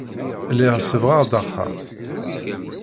Lliɣ sebbɣeɣ-d axxam.